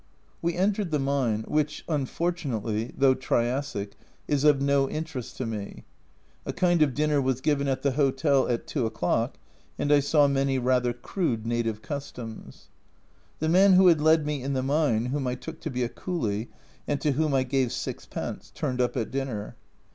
We entered the mine, which, unfortunately, though Triassic, is of no interest to me. A kind of dinner was given at the hotel at 2 o'clock, and I saw many rather crude native customs. The man who had led me in the mine, whom I took to be a coolie, and to whom I gave sixpence, turned up at dinner.